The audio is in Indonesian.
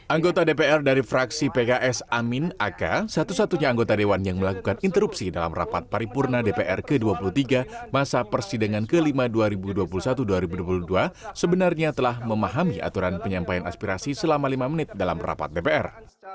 anggota dpr dari fraksi pks amin ak satu satunya anggota dewan yang melakukan interupsi dalam rapat paripurna dpr ke dua puluh tiga masa persidangan ke lima dua ribu dua puluh satu dua ribu dua puluh dua sebenarnya telah memahami aturan penyampaian aspirasi selama lima menit dalam rapat dpr